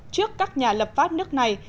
trước các nhà lập pháp nước này